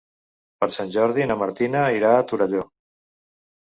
Per Sant Jordi na Martina irà a Torelló.